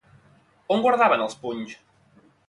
On guardaven els punys?